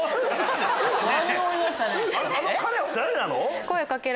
彼は誰なの？